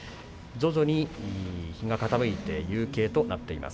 徐々に日が傾いて夕景となっています。